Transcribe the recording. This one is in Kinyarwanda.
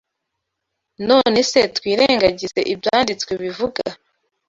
None se twirengagize ibyanditswe bivuga